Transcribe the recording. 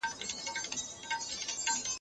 حضوري ټولګي به د ګډون او تعامل فرصت برابره کړي.